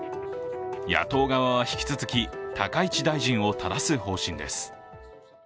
野党側は引き続き、高市大臣をただす方針です。